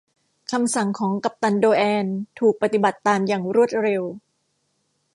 คำสั่งของกัปตันโดแอนถูกปฏิบัติตามอย่างรวดเร็ว